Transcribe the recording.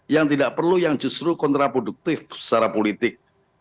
yang tidak perlu yang justru kontraproduktif secara politik